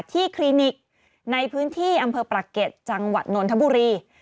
คลินิกในพื้นที่อำเภอปรักเก็ตจังหวัดนนทบุรี